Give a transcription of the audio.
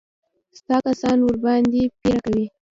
ستا کسان ورباندې پيره کوي.